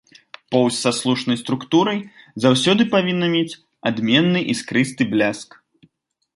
Поўсць са слушнай структурай заўсёды павінна мець адменны іскрысты бляск.